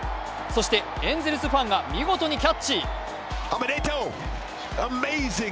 そしてエンゼルスファンが見事にキャッチ。